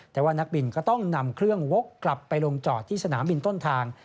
แต่ว่านักบินก็ต้องนำเครื่องวกกลับไปลงจอดที่สนามบินต้นทาง